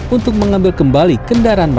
untuk mengambil kembali kendaraan